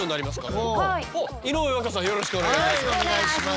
よろしくお願いします。